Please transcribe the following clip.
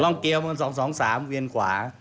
ร่องเกี่ยวมัน๒๒๓เวียนขวา